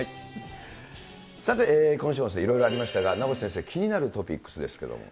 さて、今週末、いろいろありましたが、名越先生、気になるトピックスですけれども。